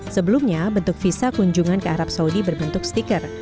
sebelumnya bentuk visa kunjungan ke arab saudi berbentuk stiker